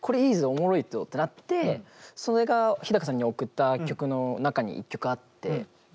オモロいってなってそれが日高さんに送った曲の中に１曲あって。